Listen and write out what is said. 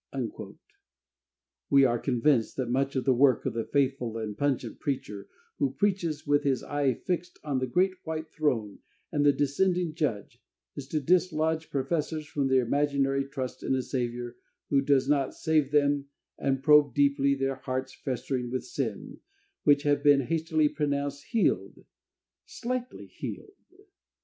We are convinced that much of the work of the faithful and pungent preacher, who preaches with his eye fixed on the great white throne and the descending Judge, is to dislodge professors from their imaginary trust in a Saviour who does not save them, and probe deeply their hearts festering with sin, which have been hastily pronounced healed, "slightly healed."